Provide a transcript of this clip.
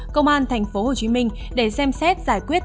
công an tp hcm để xem xét giải quyết